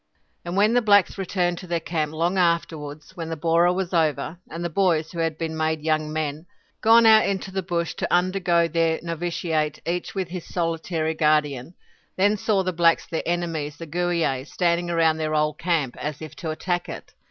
And when the blacks returned to their camp long afterwards, when the borah was over, and the boys, who had been made young men, gone out into the bush to undergo their novitiate, each with his solitary guardian, then saw the blacks, their enemies, the Gooeeays, standing round their old camp, as if to attack it.